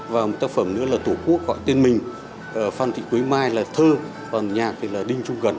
và một tác phẩm nữa là tổ quốc gọi tên mình phan thị quế mai là thơ và nhạc đinh trung gần